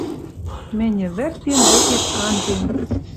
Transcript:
Мӹнь ӹвӹртен вӹкет анжем